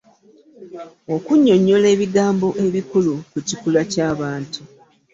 Okunnyonnyola ebigambo ebikulu ku Kikula ky’Abantu.